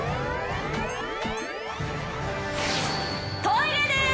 トイレです！